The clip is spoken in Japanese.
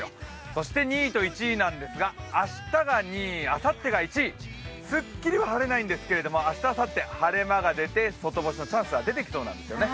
そして２位と１位なんですが、明日が１位、あさってが２位、すっきりは晴れないんですけれども、明日あさって、晴れ間が出て外干しのチャンスは出てきそうなんですよね。